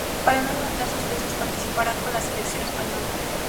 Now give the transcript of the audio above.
Para no levantar sospechas participarán con la selección española.